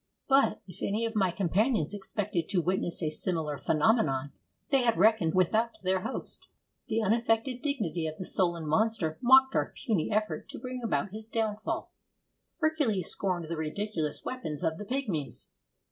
But, if any of my companions expected to witness a similar phenomenon, they had reckoned without their host. The unaffected dignity of the sullen monster mocked our puny effort to bring about his downfall. Hercules scorned the ridiculous weapons of the pigmies!